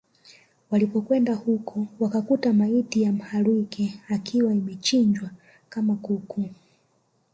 Walipokwenda huko wakakuta maiti ya Mhalwike ikiwa imechinjwa kama kuku